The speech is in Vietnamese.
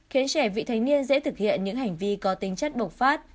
khiến trẻ vị thanh niên dễ thực hiện những hành vi có tính chất bộc phát